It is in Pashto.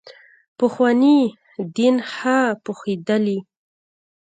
پخواني دین ښه پوهېدلي.